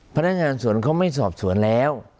พนักงานสวนเขาไม่สอบสวนแล้ว